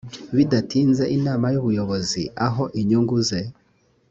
bidatinze inama y ubuyobozi aho inyungu ze